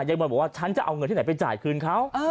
มวยบอกว่าฉันจะเอาเงินที่ไหนไปจ่ายคืนเขา